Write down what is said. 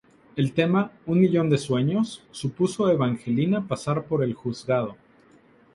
El tema "Un millón de sueños" supuso a Evangelina pasar por el juzgado.